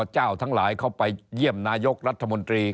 อเจ้าทั้งหลายเข้าไปเยี่ยมนายกรัฐมนธรรมดรี